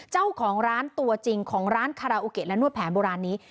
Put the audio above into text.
เจ้าของร้านตัวจริงของร้านคาราโอเกะและนวดแผนโบราณนี้